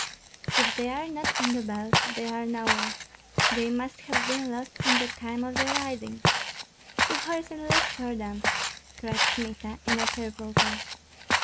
"If they are not on the belt, they are nowhere. They must have been lost in the time of the riding." "To horse and look for them!" cried Kmita, in a terrible voice.